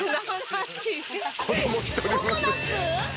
ココナツ？